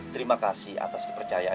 terima kasih atas kepercayaan